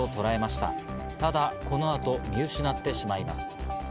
ただ、この後、見失ってしまいます。